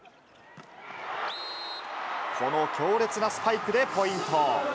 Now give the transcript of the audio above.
この強烈なスパイクでポイント。